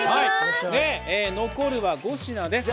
残るは５品です。